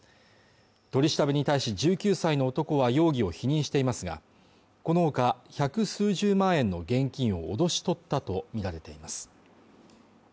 取り調べに対し１９歳の男は容疑を否認していますがこのほか百数十万円の現金を脅し取ったとみられています